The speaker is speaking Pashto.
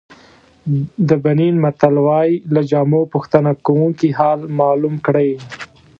د بنین متل وایي له جامو د پوښتنه کوونکي حال معلوم کړئ.